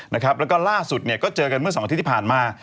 แล้วก็ล่าสุดเนี่ยก็เจอกันเมื่อ๒อาทิตย์ที่ผ่านมา